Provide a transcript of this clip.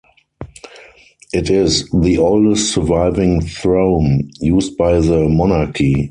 It is the oldest surviving throne used by the monarchy.